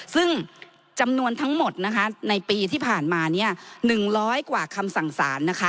ซึ่งจำนวนทั้งหมดในปีที่ผ่านมาหนึ่งร้อยกว่าคำสั่งสาร